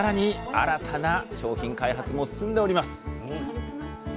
新たな商品開発も進んでおります。